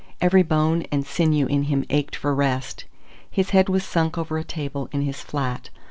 Every bone and sinew in him ached for rest. His head was sunk over a table in his flat.